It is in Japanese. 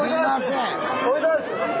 おめでとうございます！